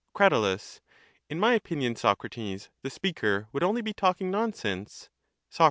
Crat. In my opinion, Socrates, the speaker would only be talking nonsense. Soc.